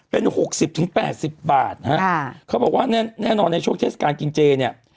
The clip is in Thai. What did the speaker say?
เป็นหกสิบถึงแปดสิบบาทนะฮะเขาบอกว่าแน่นอนในช่วงเทศกาลกินเจเนี่ย